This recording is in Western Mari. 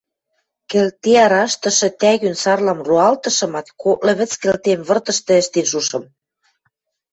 Кӹлте араштышы тӓгӱн сарлам роалтышымат, коклы вӹц кӹлтем выртышты ӹштен шушым.